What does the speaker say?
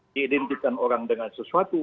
diidentifikan orang dengan sesuatu